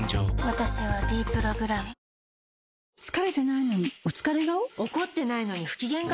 私は「ｄプログラム」疲れてないのにお疲れ顔？